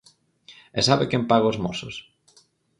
¿E sabe quen paga os Mossos?